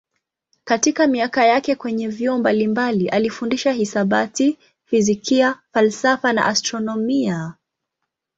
Katika miaka yake kwenye vyuo mbalimbali alifundisha hisabati, fizikia, falsafa na astronomia.